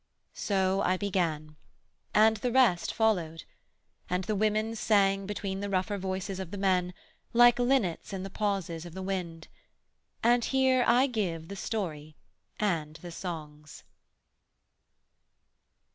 So I began, And the rest followed: and the women sang Between the rougher voices of the men, Like linnets in the pauses of the wind: And here I give the story and the songs.